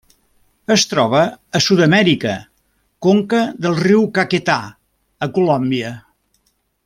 Es troba a Sud-amèrica: conca del riu Caquetá a Colòmbia.